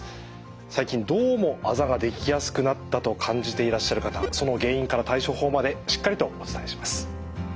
最近どうもあざができやすくなったと感じていらっしゃる方その原因から対処法までしっかりとお伝えします。